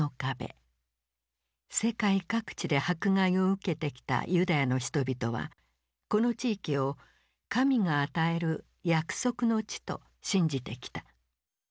世界各地で迫害を受けてきたユダヤの人々はこの地域を神が与える約束の地と信じてきた。